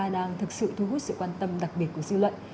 đang thực sự thu hút sự quan tâm đặc biệt của dư luận